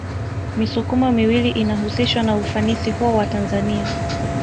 Misukumo miwili inahusishwa na ufanisi huo wa Tanzania